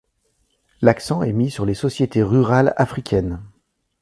L’accent est mis sur les sociétés rurales africaines.